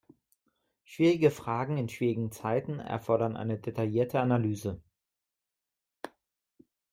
Schwierige Fragen in schwierigen Zeiten erfordern eine detaillierte Analyse.